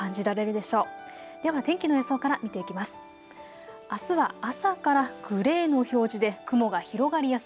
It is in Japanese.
では天気の予想から見ていきます。